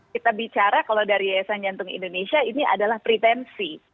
kita bicara kalau dari yayasan jantung indonesia ini adalah pretensi